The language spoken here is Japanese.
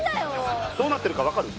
どうなってるかわかる？